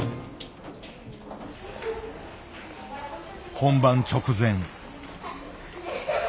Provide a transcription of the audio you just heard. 本番直前。